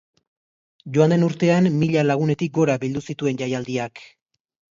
Joan den urtean mila lagunetik gora bildu zituen jaialdiak.